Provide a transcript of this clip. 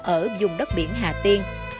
ở dùng đất biển hà tiên